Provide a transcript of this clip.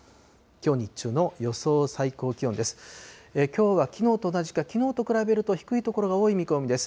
きょうはきのうと同じか、きのうと比べると低い所が多い見込みです。